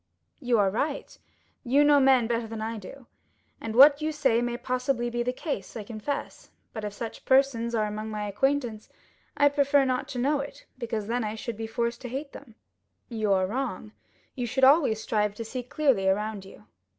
"You are right; you know men better than I do, and what you say may possibly be the case, I confess; but if such persons are among my acquaintances I prefer not to know it, because then I should be forced to hate them." "You are wrong; you should always strive to see clearly around you.